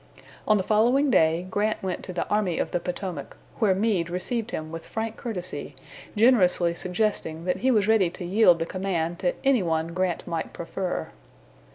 On the following day, Grant went to the Army of the Potomac, where Meade received him with frank courtesy, generously suggesting that he was ready to yield the command to any one Grant might prefer.